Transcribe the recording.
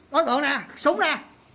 nói gọi nè súng nè